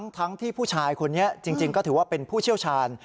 ทั้งที่ผู้ชายคนนี้จริงก็ถือว่าเป็นผู้เชี่ยวชาญ